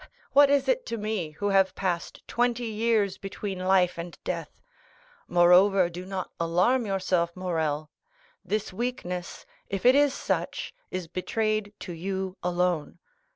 What is it to me, who have passed twenty years between life and death? Moreover, do not alarm yourself, Morrel; this weakness, if it is such, is betrayed to you alone.